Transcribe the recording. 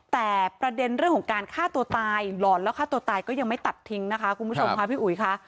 แต่ประเด็นเรื่องของการฆ่าตัวตายหลอนแล้วฆ่าตัวตายก็ยังไม่ตัดทิ้งนะคะคุณผู้ชมค่ะพี่อุ๋ยค่ะ